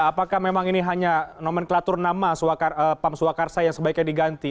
apakah memang ini hanya nomenklatur nama pam swakarsa yang sebaiknya diganti